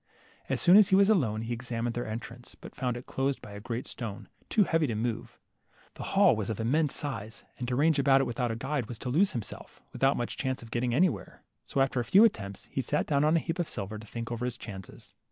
As soon as he was alone he examined the entrance, but found it closed by a great stone, too heavy to LITTLE HANS. 33 move. The hall was of immense size, and to range about it without a guide was to lose himself, without much chance of getting anywhere. So after a few attempts, he sat down on a heap of silver, to think over his chances.